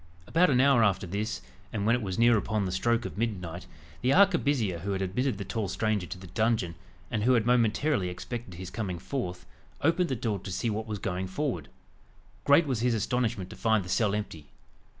About an hour after this, and when it was near upon the stroke of midnight, the arquebusier who had admitted the tall stranger to the dungeon, and who had momentarily expected his coming forth, opened the door to see what was going forward. Great was his astonishment to find the cell empty!